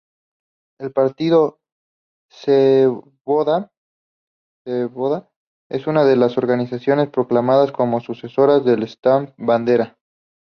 El partido Svoboda es una de las organizaciones proclamadas como sucesoras de Stepan Bandera.